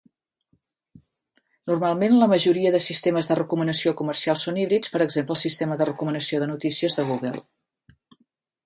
Normalment, la majoria de sistemes de recomanació comercial són híbrids, per exemple, el sistema de recomanació de notícies de Google.